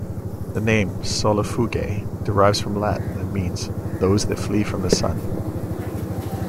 The name Solifugae derives from Latin, and means "those that flee from the sun".